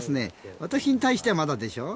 私に対してはまだでしょう。